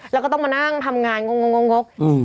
แล้วก็ต้องมานั่งทำงานงง